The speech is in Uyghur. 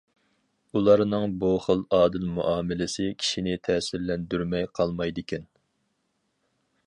ئۇلارنىڭ بۇ خىل ئادىل مۇئامىلىسى كىشىنى تەسىرلەندۈرمەي قالمايدىكەن.